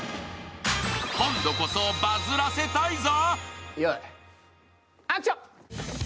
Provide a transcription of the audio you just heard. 今度こそバズらせたいぞ！